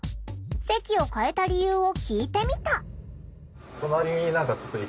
席を替えた理由を聞いてみた。